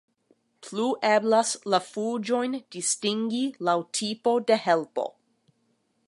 Plu eblas la fuĝojn distingi laŭ tipo de helpo.